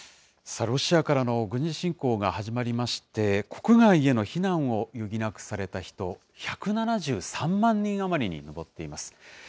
ロシアからの軍事侵攻が始まりまして、国外への避難を余儀なくされた人、１７３万人余りに上っています。